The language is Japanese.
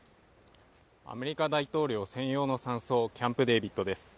アメリカ大統領専用の山荘、キャンプ・デービッドです。